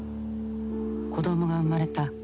子どもが生まれた。